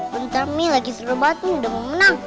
bentar nih lagi seru banget nih udah mau menang